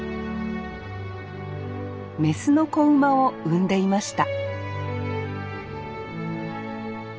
雌の子馬を産んでいました